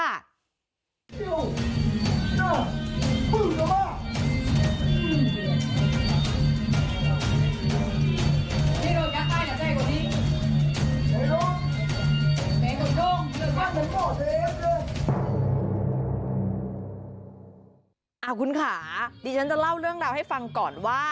เอาคุณขาดิฉันจะเล่าเรื่องราวให้ฟังก่อนว่า